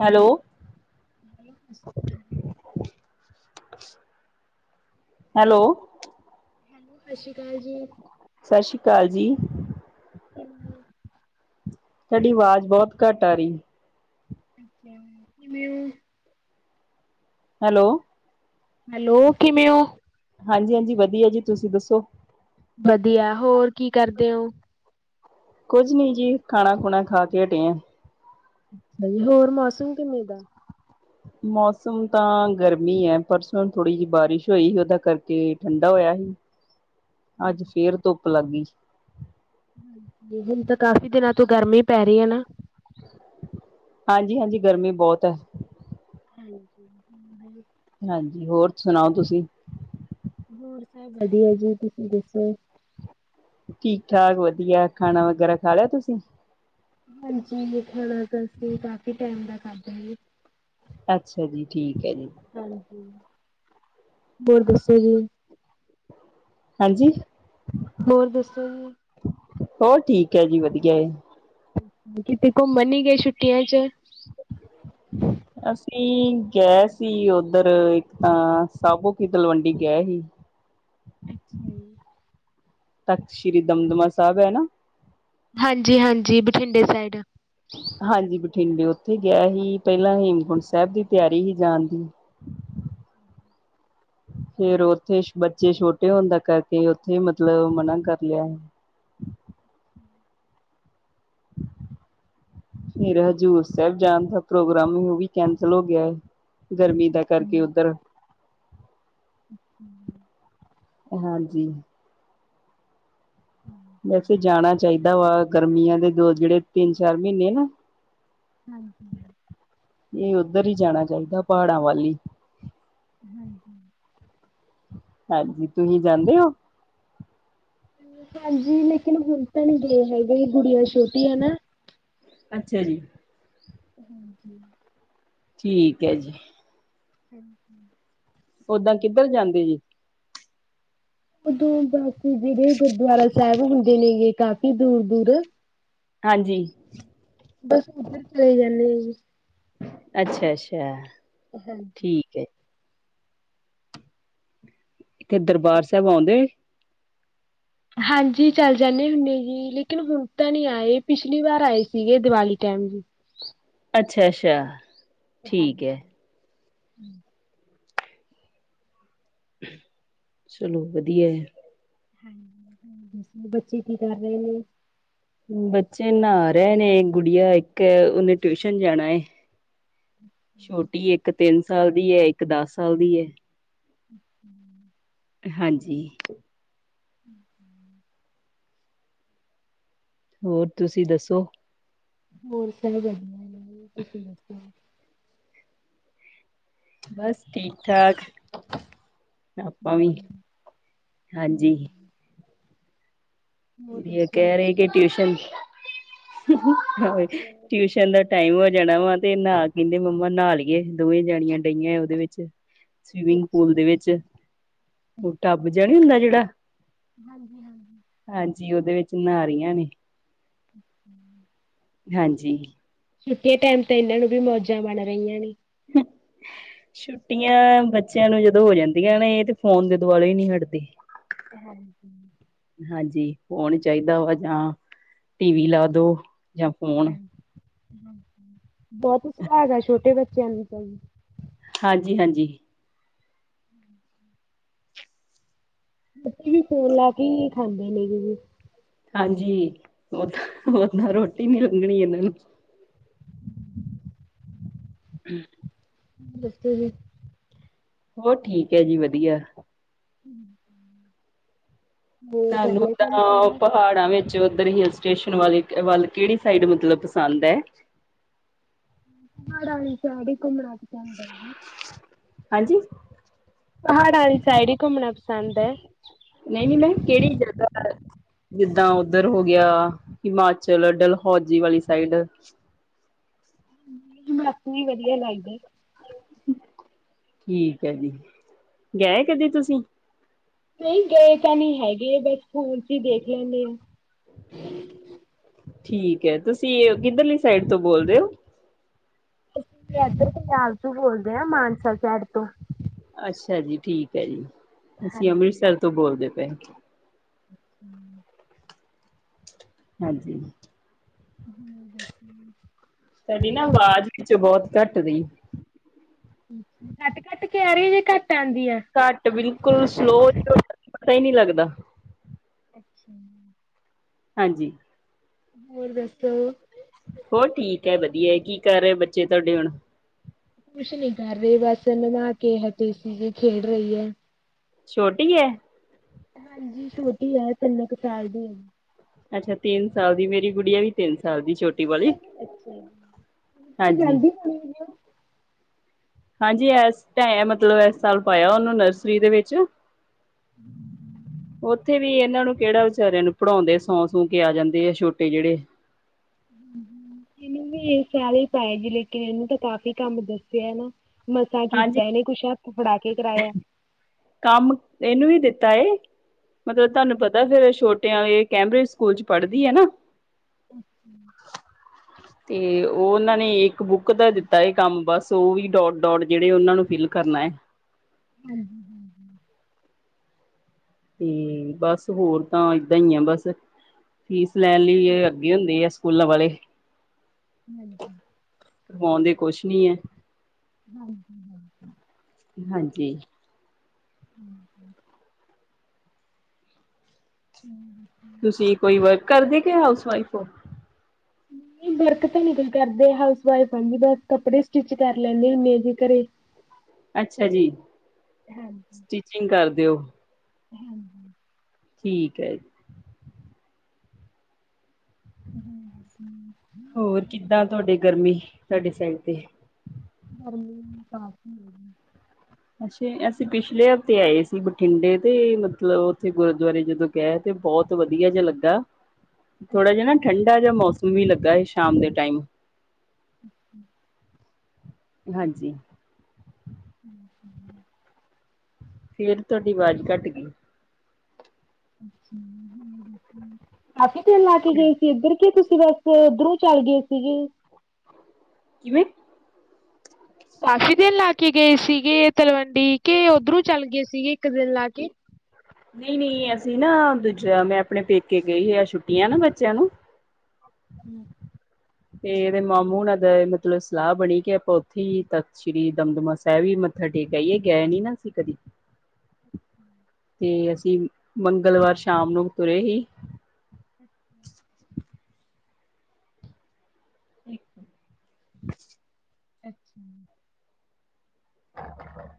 Hello. Hello ਹਾਂਜੀ ਭੈਣ ਜੀ। ਹੈਲੋ। ਹੈਲੋ ਹਾਂਜੀ। ਸਤਿ ਸ੍ਰੀ ਅਕਾਲ ਜੀ। ਇਹਨਾ ਤੁਹਾਡੀ ਆਵਾਜ਼ ਬਹੁਤ ਘੱਟ ਆ ਰਹੀ। ਅੱਛਾ। ਮੈ, ਹੈਲੋ। ਹੈਲੋ ਕਿਵੇਂ ਹੋ? ਹਾਂਜੀ-ਹਾਂਜੀ ਵਧੀਆ ਜੀ। ਤੁਸੀਂ ਦੱਸੋ? ਵਧੀਆ, ਹੋਰ ਕੀ ਕਰਦੇ ਹੋ ਕੁੱਝ ਨੀ ਜੀ ਖਾਣਾ- ਖੁਣਾ ਖਾ ਕੇ ਹਟੇ ਆ! ਅੱਛਾ ਜੀ ਹੋਰ ਮੌਸਮ ਕਿਵੇੇ ਦਾ? ਮੌਸਮ ਤਾਂ ਗਰਮੀ ਐ, ਪਰਸੋਂ ਥੋੜ੍ਹੀ ਜਿਹੀ ਬਾਰਿਸ਼ ਹੋਈ ਸੀ, ਉਹਦਾ ਕਰਕੇ ਠੰਡਾ ਹੋਇਆ ਸੀ। ਅੱਜ ਫੇਰ ਧੁੱਪ ਲੱਗ ਗਈ। ਹਾਂ, ਹੁਣ ਤਾਂ ਕਾਫ਼ੀ ਦਿਨਾਂ ਤੋਂ ਗਰਮੀ ਪੈ ਰਹੀ ਐ ਨਾ। ਹਾਂਜੀ-ਹਾਂਜੀ ਗਰਮੀ ਬਹੁਤ ਹੈ। ਹਾਂਜੀ। ਹਾਂਜੀ। ਹੋਰ, ਸੁਣਾਓ ਤੁਸੀਂ? ਹੋਰ, ਸਭ ਵਧੀਆ ਜੀ ਤੁਸੀਂ ਦੱਸੋ? ਠੀਕ -ਠਾਕ ਵਧੀਆ ਖਾਣਾ ਵਗੈਰਾ ਖਾ ਲਿਆ ਤੁਸੀਂ? ਹਾਂਜੀ। ਹੋਣਾ, ਤਾਂ ਕਾਫੀ ਟਾਈਮ ਲੱਗਿਆ। ਹਾਂਜੀ। ਅੱਛਾ ਜੀ। ਠੀਕ, ਹੈ ਜੀ ਹਾਂਜੀ। ਹੋਰ, ਦੱਸੋ ਜੀ? ਹਾਂਜੀ। ਹੋਰ ਦੱਸੋ ਜੀ। ਹੋਰ ਠੀਕ ਹੈ ਜੀ ਵਧੀਆ ਏ। ਕਿਤੇ ਘੁੰਮਣ ਨੀ ਗਏ, ਛੁੱਟੀਆਂ 'ਚ। [unintelligible] ਅਸੀਂ ਗਏ ਸੀ, ਉੱਧਰ ਇੱਕ ਤਾਂ ਸਾਬੋ ਕੀ ਤਲਵੰਡੀ ਗਏ ਸੀ। ਅੱਛਾ ਜੀ। ਤਖ਼ਤ ਸ਼੍ਰੀ ਦਮਦਮਾ ਸਾਹਿਬ ਹੈ ਨਾ! ਹਾਂਜੀ-ਹਾਂਜੀ ਬਠਿੰਡੇ ਸਾਈਡ ਹਾਂਜੀ। ਬਠਿੰਡੇ ਉੱਥੇ ਗਿਆ ਸੀ, ਪਹਿਲਾਂ ਹੇਮਕੁੰਟ ਸਾਹਿਬ ਦੀ ਤਿਆਰੀ ਸੀ ਜਾਣ ਦੀ। ਫੇਰ ਉੱਥੇ ਬੱਚੇ ਛੋਟੇ ਹੁੰਦਾ ਕਰਕੇ, ਉੱਥੇ ਮਤਲਬ ਮਨਾ ਕਰ ਲਿਆ। ਫੇਰ, ਹਜ਼ੂਰ ਸਾਹਿਬ ਜਾਣ ਦਾ ਪ੍ਰੋਗਰਾਮ ਉਹ ਵੀ ਕੈਂਸਲ ਹੋ ਗਿਆ ਏ। ਗਰਮੀ ਦਾ ਅੱਛਾ ਕਰਕੇ ਜੀ, ਉੱਧਰ ਹਮ, ਹਾਂਜੀ। ਵੈਸੇ ਜਾਣਾ ਚਾਹੀਦਾ ਗਰਮੀਆਂ ਦੇ, ਦੋ ਜਿਹੜੇ ਤਿੰਨ- ਚਾਰ ਮਹੀਨੇ ਨਾ ਹਾਂਜੀ। ਇਹ ਉੱਧਰ ਹੀ ਜਾਣਾ ਚਾਹੀਦਾ। ਪਹਾੜਾਂ ਵੱਲ ਹੀ ਹੂੰ -ਹੂੰ ਹਾਂਜੀ, ਤੁਸੀਂ ਜਾਂਦੇ ਹੋ। ਹਾਂਜੀ, ਲੇਕਿਨ ਹੁਣ ਤਾਂ ਨਹੀਂ ਗੇ ਹੈਗੇ, ਗੁੜੀਆਂ ਛੋਟੀ ਆ ਨਾ। ਅੱਛਾ ਜੀ, ਹਮ- ਹਮ ਠੀਕ ਹੈ ਜੀ, ਹਠੀ [unintelligible] ਓਦਾਂ ਕਿੱਧਰ ਜਾਂਦੇ ਜੇ ਪਾਬਾਗਦੁਲ ਜਿਹੜੇ ਗੁਰਦੁਆਰਾ ਸਾਹਿਬ ਹੁੰਦੇ ਨੇ ਗੇ। ਕਾਫੀ ਦੂਰ-ਦੂਰ ਹਾਂਜੀ। ਉੱਧਰ ਚਲੇ [inaudible] ਅੱਛਾ-ਅੱਛਾ। ਹਮ [unintelligible] ਠੀਕ ਹੈ। ਇਥੇ ਦਰਬਾਰ ਸਾਹਿਬ ਆਉਂਦੇ ਹਾਂਜੀ। ਚੱਲ ਜਾਂਦੇ ਹੁੰਦੇ ਜੀ, ਲੇਕਿਨ ਹੁਣ ਤਾਂ ਨੀ ਆਏ, ਪਿਛਲੀ ਵਾਰ ਆਏ ਸੀਗੇ। ਦੀਵਾਲੀ ਟਾਈਮ ਜੀ, ਅੱਛਾ-ਅੱਛਾ। ਠੀਕ ਹਾਂਜੀ। ਹੈ। ਹਮ [inaudible] ਚਲੋ ਵਧੀਆ ਹੈ। ਬੱਚੇ ਕੀ ਕਰ ਰਹੇ ਨੇ ਬੱਚੇ ਨਹਾ ਰਹੇ ਨੇ, ਗੁੜੀਆ ਇੱਕ ਉਹਨੇ ਟਿਊਸ਼ਨ ਜਾਣਾ। ਛੋਟੀ ਇੱਕ ਤਿੰਨ ਸਾਲ ਦੀ ਹੈ, ਇੱਕ ਦਸ ਸਾਲ ਦੀ ਹੈ। ਹਮ [inaudible] ਹਾਂਜੀ। ਹਮ -ਹਮ [inaudible] ਹੋਰ ਤੁਸੀਂ ਦੱਸੋ। ਹੋਰ ਸਭ ਵਧੀਆ ਹੈ। ਤੁਸੀਂ ਦੱਸੋ। ਬਸ, ਠੀਕ-ਠਾਕ। ਆਪਾਂ ਵੀ, ਹੂੰ, ਹੂੰ। ਹਾਂਜੀ। ਹੋਰ ਗੁੜੀਆ ਦੱਸੋ? ਕਹਿ ਰਹੀ ਕਿ ਟਿਊਸ਼ਨ ਹਾ-ਹਾਹਾ। ਅੱਛਾ ਟਿਊਸ਼ਨ ਦਾ ਟਾਈਮ ਹੋ ਜਾਣਾ ਵਾ ਸਵੀਮਿੰਗ ਅੱਛਾ ਪੂਲ ਦੇ ਜੀ, ਵਿੱਚ, ਉਹ ਟਬ ਜਿਹਾ ਨੀ ਹੁੰਦਾ। ਜਿਹੜਾ ਹਾਂਜੀ ਹਾਂਜੀ। ਜੀ, ਉਹਦੇ ਵਿੱਚ ਨਹਾ ਰਹੀਆਂ ਨੇ ਅਮ [unintelligible] ਹਾਂਜੀ। ਛੁੱਟੀ ਟਾਈਮ ਤਾਂ ਇਹਨਾਂ ਨੂੰ ਵੀ ਮੌਜਾਂ ਬਣ ਰਹੀਆਂ ਨੇ। ਛੁੱਟੀਆਂ ਬੱਚਿਆਂ ਨੂੰ ਜਦੋਂ ਹੋ ਜਾਂਦੀਆਂ ਨੇ, ਇਹ ਤੇ ਫੋਨ ਦੇ ਦੁਆਲੇ ਹੀ ਨਹੀਂ ਹਟਦੇ। ਹਮ-ਹਮ ਹਾਂਜੀ, ਫੋਨ ਚਾਹੀਦਾ ਵਾ ਜਾਂ, ਟੀਵੀ ਲਾ ਦੋ। ਜਾਂ ਫੋਨ ਹਾਂਜੀ ਹਾਂਜੀ। ਬਹੁਤ ਹੀ ਸੁਬਾ ਦਾ ਹੈ ਬੱਚਾ ਚੰੱਲ ਚੰੱਲ ਹਾਂਜੀ ਹਾਂਜੀ ਬੱਚੇ ਵੀ ਫੋਨ ਲਾ ਕੇ ਖਾਂਦੇ ਨੇਗੇ ਜੀ ਹਾਂਜੀ ਓਦਾਂ ਓਦਾਂ ਰੋਟੀ ਨੀ ਲੰਘਣੀ ਇਹਨਾਂ ਨੂੰ ਹਮ ਹ ਦੱਸ ਜੀ ਹੋਰ ਠੀਕ ਹੈ ਜੀ ਵਧੀਆ ਹਮ ਹਮ ਤੁਹਾਨੂੰ ਤਾਂ ਪਹਾੜਾਂ ਵਿੱਚ ਉਧਰ ਹਿਲ ਸਟੇਸ਼ਨ ਵਾਲੇ ਵੱਲ ਕਿਹੜੀ ਸਾਈਡ ਮਤਲਬ ਪਸੰਦ ਹੈ ਾ ਚ ਘੁੰਮਣਾ ਪਸੰਦ ਹਾਂਜੀ ਪਹਾੜਾਂ ਵਾਲੀ ਸਾਈਡ ਹੀ ਘੁੰਮਣਾ ਪਸੰਦ ਹੈ ਨਹੀਂ ਨਹੀਂ ਮੈ ਕਿਹੜੀ ਜਗ੍ਹਾ ਜਿੱਦਾਂ ਉੱਧਰ ਹੋ ਗਿਆ ਹਿਮਾਚਲ ਡਲਹੌਜੀ ਵਾਲੀ ਸਾਈਡ ਮੈਡਮ ਵੀ ਵਧੀਆ ਲੱਗਦਾ ਠੀਕ ਹੈ ਜੀ ਗਏ ਕਦੇ ਤੁਸੀਂ ਨਹੀਂ ਗਏ ਤਾਂ ਨਹੀਂ ਹੈਗੇ ਬਸ ਫੋਨ ਚ ਹੀ ਦੇਖ ਲੈਂਦੇ ਆ ਠੀਕ ਹੈ ਤੁਸੀਂ ਕਿੱਧਰਲੀ ਸਾਈਡ ਤੋਂ ਬੋਲਦੇ ਹੋ ਅਸੀਂ ਇਧਰ ਪੰਜਾਬ ਚ ਬੋਲਦੇ ਹਾਂ ਮਾਨਸਾ ਸ਼ਹਿਰ ਤੋਂ ਅੱਛਾ ਜੀ ਠੀਕ ਹੈ ਜੀ ਅਸੀਂ ਹਾਂਜੀ, ਅੰਮ੍ਰਿਤਸਰ ਤੋਂ ਬੋਲਦੇ ਥੈਂਕ ਯੂ ਹਮ ਹਾਂਜੀ ਹੋਰ ਦੱਸੋ? ਤੁਹਾਡੀ ਨਾ ਆਵਾਜ਼ ਵਿੱਚ ਬਹੁਤ ਘੱਟ ਦੀ ਘੱਟ ਕੱਟ ਕੇ ਆ ਰਹੀ ਜੇ ਘੱਟ ਆਂਦੀ ਆ? ਘੱਟ ਬਿਲਕੁਲ ਪਤਾ ਹੀ ਨਹੀਂ ਲੱਗਦਾ ਅੱਛਾ ਹਾਂਜੀ ਹੋਰ ਦੱਸੋ ਹੋਰ ਠੀਕ ਹੈ ਵਧੀਆ ਕੀ ਕਰ ਰਹੇ ਬੱਚੇ ਤੁਹਾਡੇ ਹੁਣ ਕੁਛ ਨੀ ਕਰ ਰਹੇ ਬਸ ਨਹਾ ਕੇ ਹਟੀ ਤੇਸ਼ਜ਼ ਖੇਡ ਰਹੀ ਹੈ ਛੋਟੀ ਹੈ ਹਾਂਜੀ ਛੋਟੀ ਹੈ ਤਿੰਨ ਕੁ ਸਾਲ ਦੀ ਏ ਅੱਛਾ ਤਿੰਨ ਸਾਲ ਦੀ ਮੇਰੀ ਗੁੜੀਆਂ ਵੀ ਤਿੰਨ ਸਾਲ ਦੀ ਛੋਟੀ ਵਾਲੀ ਅਛਾ, ਹਾਂਜੀ ਜ਼ਲਦੀ ਹੋਣੀ ਹਾਂਜੀ, ਇਸ ਟ ਮਤਲਬ, ਇਸ ਸਾਲ ਪਾਇਆ ਉਹਨੂੰ, ਨਰਸਰੀ ਦੇ ਵਿੱਚ ਉੱਥੇ ਵੀ ਇਹਨਾਂ ਨੂੰ ਕਿਹੜਾ ਵਿਚਾਰਿਆਂ ਨੂੰ ਪੜ੍ਹਾਉਂਦੇ, ਸੌ- ਸੂ ਕੇ ਆ ਜਾਂਦੇ ਆ ਛੋਟੇ ਜਿਹੜੇ ਇਹਨੂੰ ਵੀ ਇਹ ਸਾਲ ਹੀ ਪਾਏਗੀ, ਲੇਕਿਨ ਇਹਨੂੰ ਤਾਂ ਕਾਫ਼ੀ ਕੰਮ ਦੱਸਿਆ ਨਾ। ਮਸਾਂ ਹਾਂਜੀ ਕੀਤਾ ਇਹਨੇ ਕੁਛ ਹਥ ਫੜਾ ਕੇ ਕਰਾਇਆ। ਕੰਮ ਇਹਨੂੰ ਵੀ ਦਿੱਤਾ। ਤਏ। ਮਤਲਬ ਤੁਹਾਨੂੰ ਪਤਾ ਫੇਰ ਛੋਟੇ ਟਿਆਂ ਇਹ ਕੈਂਬ੍ਰਿਜ ਸਕੂਲ ਚ ਪੜ੍ਹਦੀ ਹੈ ਨਾ। ਅੱਛਾ। ਤੇ ਉਹ, ਉਹਨਾਂ ਨੇ ਇੱਕ ਬੁੱਕ ਦਾ ਦਿੱਤਾ ਹੈ ਕੰਮ, ਬਸ ਉਹ ਵੀ ਡੋਟ- ਡੋਟ ਜਿਹੜੇ ਉਹਨਾਂ ਨੂੰ ਫਿਲ ਕਰਨਾ ਹੈ। ਹਾਂ, ਹੂੰ ਹੂੰ ਤੇ ਬਸ ਹੋਰ ਤਾਂ ਏਦਾਂ ਹੀ ਆ ਬਸ ਫੀ ਲੈਣ ਲਈ ਹਾਂਜੀ-ਹਾਂਜੀ-ਹਾਂਜੀ-ਹਾਂਜੀ-ਹਾਂਜੀ। ਅੱਗੇ ਹੁੰਦੀ ਏ। ਪੁੱਲਾ ਵਾਲੇ ਹਾਂਜੀ। ਕਰਵਾਉਣ ਦੇ ਕੁਛ ਨੀ ਹੈ। ਹਾਂਜੀ- ਹਾਂਜੀ। ਹਾਂਜੀ। ਹੂੰ। ਹੂੰ। ਤੁਸੀਂ ਕੋਈ ਵ ਕਰਦੇ ਕੇ ਹਾਊਸ- ਵਾਈਫ ਉਹ ਨਹੀਂ, ਵਰਕ ਤਾਂ ਨਹੀਂ ਈ ਕਰਦੇ, ਹਾਊਸ ਵਾਈਫ ਆ, ਬਸ ਕੱਪੜੇ ਸਟਿਚ ਕਰ ਲੈਂਦੇ ਮੈ ਜੇ ਘਰੇ। ਅੱਛਾ ਜੀ, ਸਟਿਚਿੰਗ ਕਰਦੇ ਦਿਓ। ਹੂੰ। ਠੀਕ ਹੈ ਜੀ। ਹੂੰ ਹੂੰ। ਤੁਹਾਡੀ ਸਾਈਡ ਤੇ। ਗਰਮੀ ਕਾਫ਼ੀ ਏ। ਅੱਸੀਂ, ਅਸੀਂ ਪਿਛਲੇ ਤੇ ਆਏ ਸੀ, ਬਠਿੰਡੇ। ਤੇ ਮਤਲਬ, ਉੱਥੇ ਗੁਰੂਦੁਆਰੇ ਜਦੋਂ ਕਿਹਾ ਤੇ, ਬਹੁਤ ਵਧੀਆ ਜਿਹਾ ਲੱਗਾ। ਅੱਛਾ ਥੋੜਾ ਜਿ ਨਾ ਠੰਡਾ ਜਿਆ ਮੌਸਮ ਮੀਂਹ ਲੱਗਾ ਜੀ ਸ਼ਾਮ ਦੇ ਟਾਈਮ। ਅੱ [unintelligible] ਹਾਂਜੀ। ਹਂ ਹਂ ਫੇਰ ਤੁਹਾਡੀ ਆਵਾਜ਼ ਘੱਟ ਗਈ ਅੇ [unintelligible] ਕਿਉਂ ਲਾ ਕੇ ਗਏ ਸੀ ਇੱਧਰ ਤੁਸੀਂ ਤੁਸੀਂ ਬਸ ਉੱਧਰੋਂ ਚਲੇ ਗਏ ਸੀਗੇ ਕਿਵੇਂ ਕਾਫੀ ਦਿਨ ਲਾ ਕੇ ਗਏ ਸੀਗੇ ਤਲਵੰਡੀ ਕੇ ਉਧਰੋਂ ਚੱਲ ਗਏ ਸੀਗੇ ਇੱਕ ਦਿਨ ਲਾ ਕੇ ਨਹੀਂ ਨਹੀਂ ਅਸੀਂ ਨਾ ਦੂਜਾ ਮੈਂ ਆਪਣੇ ਪੇਕੇ ਗਈ ਹ ਆ ਛੁੱਟੀਆਂ ਨਾ ਬੱਚਿਆਂ ਨੂੰ ਹਮ ਤੇ ਇਹਦੇ ਮਾਮੂ ਨਾਲ ਗਏ ਮਤਲਬ ਸਲਾਹ ਬਣੀ ਕਿ ਆਪਾਂ ਉੱਥੇ ਹੀ ਤੱ ਸ੍ਰੀ ਦਮਦਮਾ ਸਾਹਿਬ ਵੀ ਮੱਥਾ ਟੇਕਿ ਆਈਏ ਇਹ ਗਏ ਨੀ ਨਾ ਅਸੀਂ ਕਦੇ ਤੇ ਅਸੀਂ ਮੰਗਲਵਾਰ ਸ਼ਾਮ ਨੂੰ ਤੁਰੇ ਹੀ ਠੀਕ ਅੱਛਾ ਅੱਛਾ [unintelligible]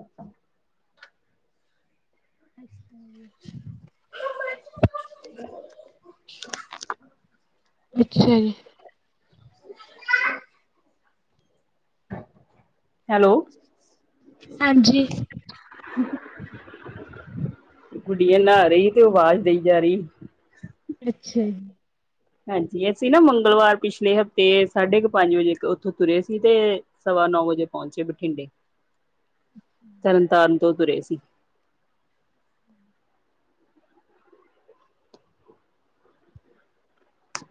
ਅੱਛਾ [unintelligible] ਅੱਛਾ ਜੀ [unintelligible] ਅੱਛਾ ਜੀ [unintelligible] ਹੈਲੋ ਹਾਂਜੀ ਗੁੜੀਆਂ ਨਹਾ ਰਹੀ ਤੇ ਉਹ ਆਵਾਜ਼ ਦਈ ਜਾ ਰਹੀ ਅੱਛਾ ਜੀ ਹਾਂਜੀ ਅਸੀਂ ਨਾ ਮੰਗਲਵਾਰ ਪਿਛਲੇ ਹਫ਼ਤੇ ਸਾਢੇ ਕੁ ਪੰਜ ਵਜੇ ਉੱਥੋਂ ਤੁਰੇ ਸੀ ਤੇ ਸਵਾ ਨੌ ਵਜੇ ਪਹੁੰਚੇ ਬਠਿੰਡੇ ਤਰਨ ਤਾਰਨ ਕਦੋ ਤੁਰੇ ਸੀ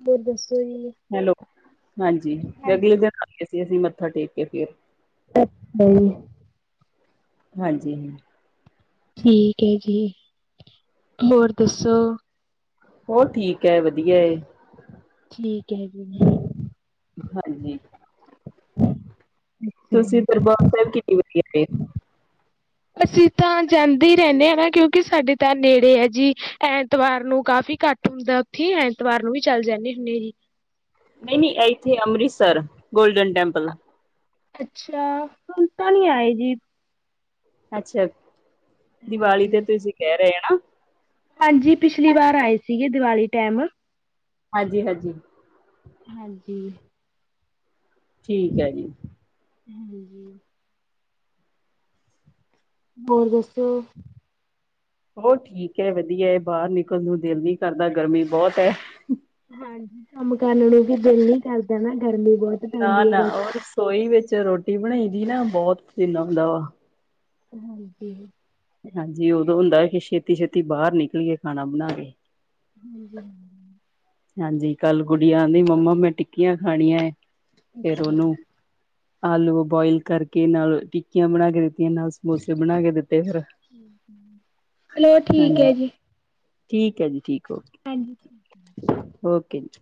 ਬਹੁਤ ਦੱਸ ਕੋਈ [unintelligible] ਹੈਲੋ ਹਾਂਜੀ ਤੇ ਅਗਲੇ ਦਿਨ ਅਸੀਂ ਮੱਥਾ ਟੇਕ ਕੇ ਫਿਰ ਅ ਸ ਹੀ ਹਾਂਜੀ ਹ ਠੀਕ ਹੈ ਜੀ ਹੋਰ ਦੱਸੋ ਹੋਰ ਠੀਕ ਹੈ ਵਧੀਆ ਏ ਠੀਕ ਹੈਗੀ ਹਾਂਜੀ ਹਮ ਤੁਸੀਂ ਦਰਬਾਰ ਸਾਹਿਬ ਕਿੰਨੀ ਵਜੇ ਆ ਅਸੀਂ ਤਾਂ ਜਾਂਦੇ ਹੀ ਰਹਿੰਦੇ ਹ ਨਾ ਕਿਉਂਕਿ ਸਾਡੇ ਤਾਂ ਨੇੜੇ ਹੈ ਜੀ ਐਤਵਾਰ ਨੂੰ ਕਾਫ਼ੀ ਘੱਟ ਹੁੰਦਾ ਉੱਥੇ ਐਤਵਾਰ ਨੂੰ ਵੀ ਚੱਲ ਜਾਂਦੇ ਹੁੰਦੇ ਜੀ ਨਹੀਂ ਨਹੀਂ ਇੱਥੇ ਅੰਮ੍ਰਿਤਸਰ ਗੋਲਡਨ ਟੈਂਪਲ ਅੱਛਾ ਹੁਣ ਤਾਂ ਨਹੀਂੀ ਆਏ ਜੀ ਅੱਛਾ ਦੀਵਾਲੀ ਤੇ ਹਾਂਜੀ ਤੁਸੀਂ ਕਹਿ ਰਹੇ ਨਾ ਹਾਂਜੀ ਪਿਛਲੀ ਵਾਰ ਆਏ ਸੀਗੇ ਦੀਵਾਲੀ ਟਾਈਮ ਹਾਂਜੀ ਹਾਂਜੀ ਹਾਂਜੀ ਠੀਕ ਹੈ ਜੀ ਹੂੰ ਹੂੰ ਹੋਰ ਦੱਸੋ ਹੋਰ ਠੀਕ ਹੈ ਵਧੀਆ ਹੈ ਬਾਹਰ ਨਿਕਲਣ ਨੂੰ ਦਿਲ ਨਹੀ ਕਰਦਾ ਗਰਮੀ ਬਹੁਤ ਹੈ ਹਾਂਜੀ ਕੰਮ ਕਰਨ ਨੂੰ ਵੀ ਦਿਲ ਨਹੀ ਕਰਦਾ ਨਾ ਗਰਮੀ ਬਹੁਤ ਨਾ ਪੈਂਦੀ ਹੈ ਨਾ ਬਸ ਉਹ ਰਸੋਈ ਵਿੱਚ ਰੋਟੀ ਰੋਟੀ ਬਣਾਈ ਦੀ ਨਾ ਬਹੁਤ ਪਸੀਨਾ ਆਉਂਦਾ ਹੈ! ਹਾਂਜੀ ਹਾਂਜੀ ਉਦੋਂ ਹੁੰਦਾ ਕਿ ਛੇਤੀ ਛੇਤੀ ਬਾਹਰ ਨਿਕਲੀਏ ਖਾਣਾ ਬਣਾ ਕੇ ਹਾਂਜੀ ਹਾਂਜੀ ਕੱਲ ਗੁੜੀ ਆਂਦੀ ਮੰਮਾ ਮੈਂ ਟਿੱਕੀਆਂ ਖਾਣੀਆਂ ਫਿਰ ਉਹਨੂੰ ਆਲੂ ਉਬਾਲ ਕਰਕੇ ਨਾਲ ਟਿੱਕੀਆਂ ਬਣਾ ਕੇ ਦਿੱਤੀਆਂ ਨਾਲ ਸਮੋਸੇ ਬਣਾ ਕੇ ਦਿੱਤੇ ਫਿਰ ਚਲੋ ਠੀਕ ਹੈ ਹਾਂਜੀ ਜੀ ਠੀਕ ਹੈ ਜੀ ਠੀਕ ਹੈ ਹਾਂਜੀ ਓਕੇ ਜੀ